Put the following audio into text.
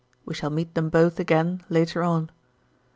We shall meet them both again later on.